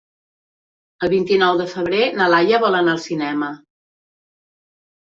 El vint-i-nou de febrer na Laia vol anar al cinema.